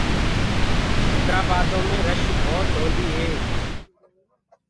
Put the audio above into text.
هيدرآ بآدو مي رش ڀوت هوندي هي۔